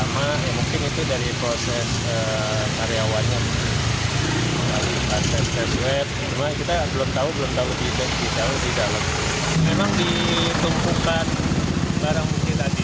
memang ditumpukan barang barang itu tadi